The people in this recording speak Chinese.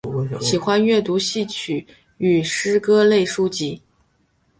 喜欢阅读戏曲与诗歌类书籍。